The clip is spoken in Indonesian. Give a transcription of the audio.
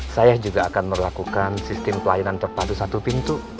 saya juga akan melakukan sistem pelayanan terpadu satu pintu